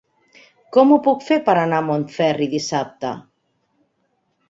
Com ho puc fer per anar a Montferri dissabte?